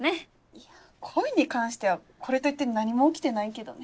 いや恋に関してはこれといって何も起きてないけどね。